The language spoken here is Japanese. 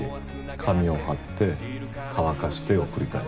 紙を貼って乾かしてを繰り返す。